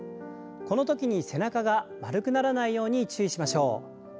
このときに背中が丸くならないように注意しましょう。